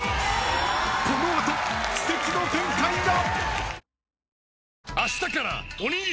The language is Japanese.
［この後奇跡の展開が！］